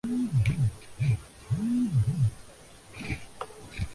آج بھی انڈونیشیا ہو یا مشرق وسطی ایران